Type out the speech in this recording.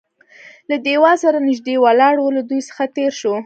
له دېوال سره نږدې ولاړ و، له دوی څخه تېر شوو.